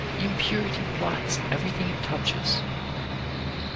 Impurity blights everything it touches.